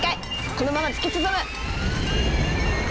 このまま突き進む！